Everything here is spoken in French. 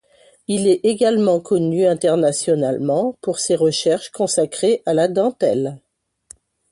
Il est également connu internationalement pour ses recherches consacrées à la dentelle.